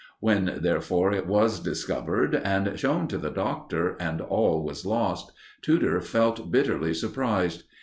When, therefore, it was discovered, and shown to the Doctor, and all was lost, Tudor felt bitterly surprised.